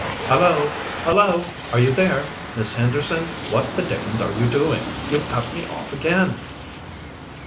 "Hallo! hallo! are you there? Miss Henderson, what the dickens are you doing? You've cut me off again."